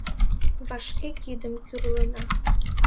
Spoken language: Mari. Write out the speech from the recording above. Вашке кидым кӱрлына.